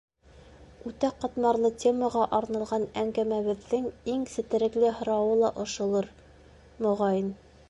Үтә ҡатмарлы темаға арналған әңгәмәбеҙҙең иң сетерекле һорауы ла ошолор, моғайын.